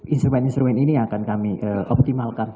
instrument instrument ini akan kami optimalkan